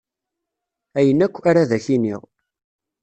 Ayen akk, ar ad ak-iniɣ.